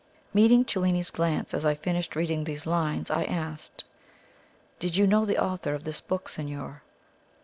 Meeting Cellini's glance as I finished reading these lines, I asked: "Did you know the author of this book, signor?"